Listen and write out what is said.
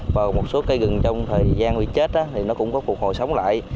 và một số cây rừng trong thời gian bị chết cũng có phục hồi sống lại